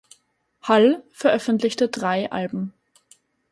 Hall veröffentlichte drei Alben.